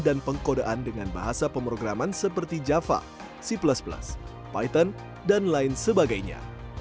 dan pengkodean dengan bahasa pemrograman seperti java c python dan lain sebagainya